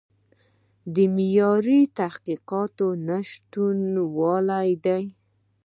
د معیاري تحقیقاتو نشتوالی دی.